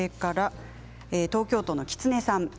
東京都の方からです。